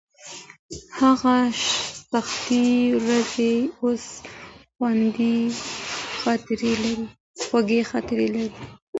هغه سختې ورځې اوس خوږې خاطرې دي.